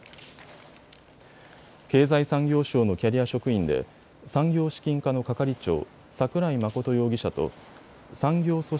経済産業省のキャリア職員で産業資金課の係長、櫻井眞容疑者と産業組織